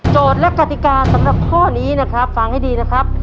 และกติกาสำหรับข้อนี้นะครับฟังให้ดีนะครับ